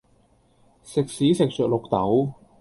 食屎食著綠豆